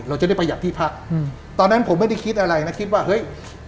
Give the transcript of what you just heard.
เราจะได้ประหยัดที่พักอืมตอนนั้นผมไม่ได้คิดอะไรนะคิดว่าเฮ้ย